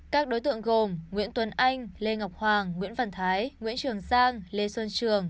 các đối tượng gồm nguyễn tuấn anh lê ngọc hoàng nguyễn văn thái nguyễn trường giang lê xuân trường